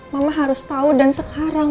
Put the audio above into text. mama harus tahu dan sekarang